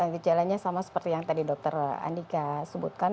gejalanya sama seperti yang tadi dokter andika sebutkan